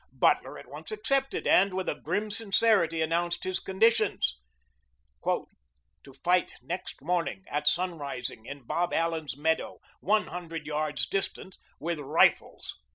Butler at once accepted, and with a grim sincerity announced his conditions "to fight next morning at sunrising in Bob Allen's meadow, one hundred yards' distance, with rifles."